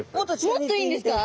もっといいんですか？